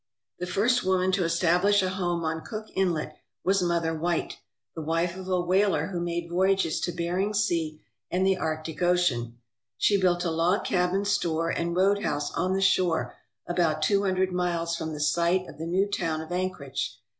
The first woman to establish a home on Cook Inlet was Mother White, the wife of a whaler who made voyages to Bering Sea and the Arctic Ocean. She built a log cabin store and roadhouse on the shore about two hundred miles from the site of the new town of Anchorage.